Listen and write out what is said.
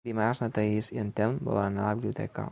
Dimarts na Thaís i en Telm volen anar a la biblioteca.